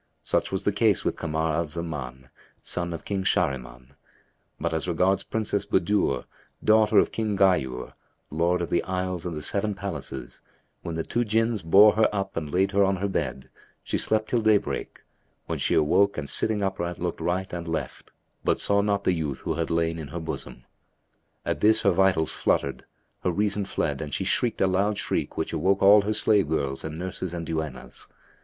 Such was the case with Kamar al Zaman, son of King Shahriman; but as regards Princess Budur, daughter of King Ghayur, Lord of the Isles and the Seven Palaces, when the two Jinns bore her up and laid her on her bed, she slept till daybreak, when she awoke and sitting upright looked right and left, but saw not the youth who had lain in her bosom. At this her vitals fluttered, her reason fled and she shrieked a loud shriek which awoke all her slave girls and nurses and duennas.